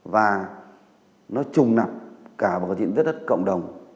và nó trùng nặc cả vào diện tích đất cộng đồng